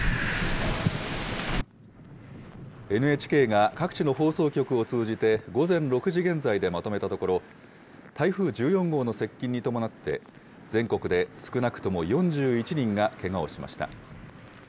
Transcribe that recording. ＮＨＫが各地の放送局を通じて、午前６時現在でまとめたところ、台風１４号の接近に伴って、全国で少なくとも４１人がけがをしました。